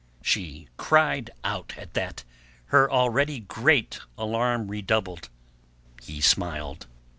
She cried out at that, her already great alarm redoubled. He smiled.